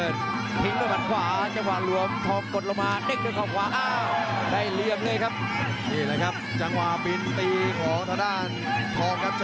ดูกว่าจิตหัวใจของเด็กคนนี้ครับ